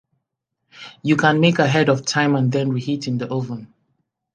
You can make ahead of time and then reheat in the oven